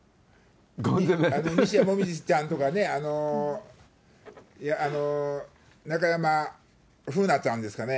西矢椛ちゃんとか、中山楓奈ちゃんですかね。